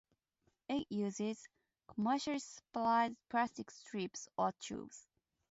It uses commercially supplied plastic strips or tubes.